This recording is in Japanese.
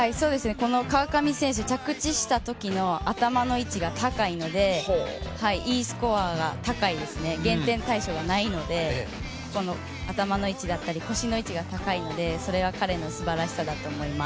この川上選手、着地したときの頭の位置が高いのでＥスコアが高いですね、減点対象がないので、頭の位置だったり腰の位置が高いのでそれが彼のすばらしさだと思います。